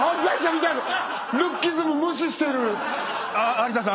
有田さん